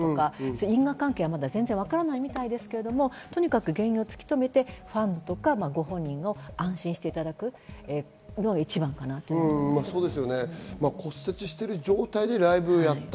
どれぐらい強い薬を使っていたかとか、因果関係は全然わからないみたいですけど、とにかく原因を突き止めてファンとかご本人に安心していただくのが一番かなと思います。